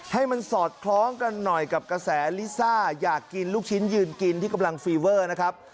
ให้มันสอดคล้องกันหน่อยกับกระแสลิซ่าอยากกินลูกชิ้นยืนกินที่กำลังฟีเวอร์นะครับ